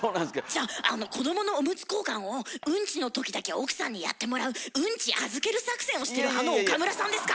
じゃあ子どものおむつ交換をウンチのときだけ奥さんにやってもらうウンチ預ける作戦をしてるあの岡村さんですか？